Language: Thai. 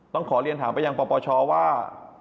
ต้องขอเรียนถามไปยังปปชว่า